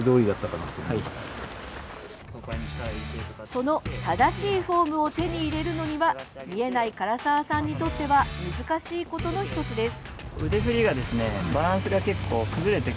その正しいフォームを手に入れるのには見えない唐澤さんにとっては難しいことの１つです。